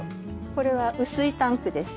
これは雨水タンクです。